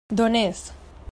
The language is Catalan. D'on és?